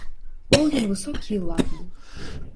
Быў ён высокі і ладны.